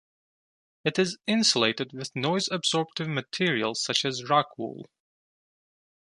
It is insulated with noise absorptive materials such as rock wool.